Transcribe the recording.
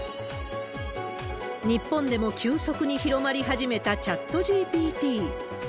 日本でも急速に広まり始めたチャットＧＰＴ。